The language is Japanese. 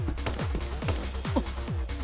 「」あっ！